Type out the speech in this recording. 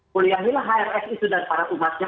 kuliahilah hrs itu dan para umatnya